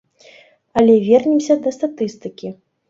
Але вернемся да статыстыкі.